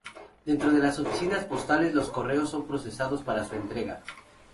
Dentro de las oficinas postales los correos son procesados para su entrega.